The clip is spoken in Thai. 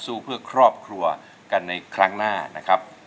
เพื่อครอบครัวกันในครั้งหน้านะครับ